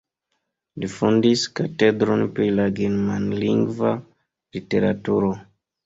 Li fondis katedron pri la germanlingva literaturo.